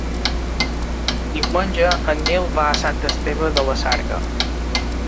Diumenge en Nil va a Sant Esteve de la Sarga.